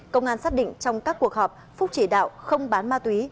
công an xác định trong các cuộc họp phúc chỉ đạo không bán ma túy